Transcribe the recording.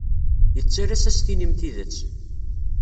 Yettalas ad as-tinim tidet.